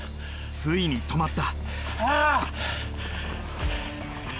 ついに止まった。